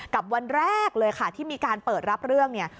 วันแรกเลยค่ะที่มีการเปิดรับเรื่องเนี่ย